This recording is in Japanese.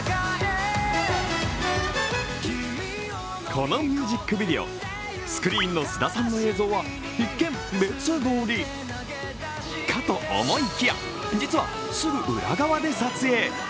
このミュージックビデオスクリーンの菅田さんの映像は一見、別撮りかと思いきや実は、すぐ裏側で撮影。